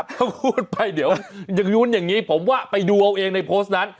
พูดไปเดี๋ยวยุ้นอย่างงี้ผมว่าไปดูเอาเองในโพสต์นั้น